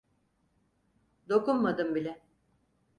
Dokunmadım bile.